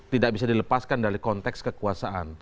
tidak bisa dilepaskan dari konteks kekuasaan